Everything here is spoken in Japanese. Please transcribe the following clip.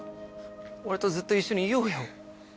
俺とずっと一緒にいようよ。